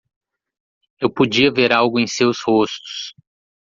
Eu podia ver algo em seus rostos.